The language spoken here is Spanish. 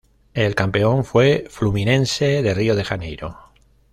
El campeón fue Fluminense de Río de Janeiro.